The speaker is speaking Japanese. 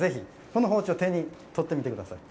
この包丁を手に取ってみてください。